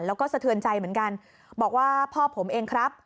แล้วก็สะเทือนใจเหมือนกันบอกว่าพ่อผมเองครับ